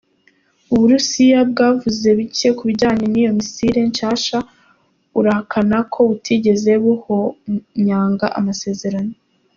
Uburusiya bwavuze bike ku bijanye n'iyo "missile" nshasha, burahakana ko butigeze buhonyanga amasezerano.